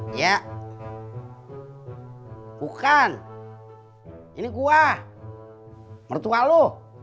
ya bukan ini gua mertua lu